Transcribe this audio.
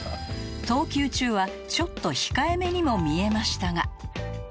投球中はちょっと控えめにも見えましたが